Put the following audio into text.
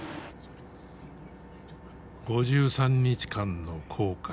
５３日間の航海。